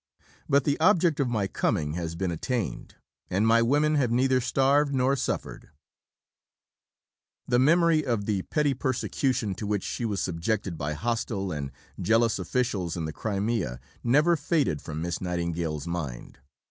But the object of my coming has been attained, and my women have neither starved nor suffered. The letter is printed in Hall, p. 451. The memory of the petty persecution to which she was subjected by hostile and jealous officials in the Crimea never faded from Miss Nightingale's mind.